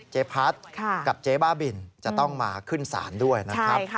เจ๊พัดกับเจ๊บ้าบินจะต้องมาขึ้นศาลด้วยนะครับ